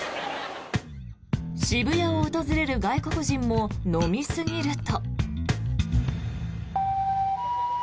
渋谷を訪れる外国人も飲みすぎると。